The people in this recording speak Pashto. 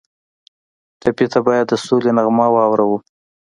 ټپي ته باید د سولې نغمه واورو.